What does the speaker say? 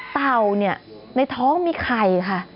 เต่าเนี่ยในท้องมีไข่ค่ะ